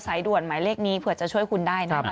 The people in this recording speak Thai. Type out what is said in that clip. สายด่วนหมายเลขนี้เผื่อจะช่วยคุณได้นะคะ